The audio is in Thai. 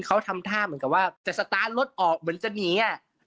เขาทำท่าเหมือนกับว่าจะสตาร์ทรถออกเหมือนจะหนี